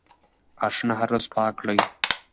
غاښونه هره ورځ پاک کړئ.